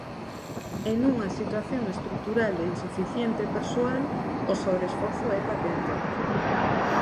E nunha situación estrutural de insuficiente persoal, o sobreesforzo é patente.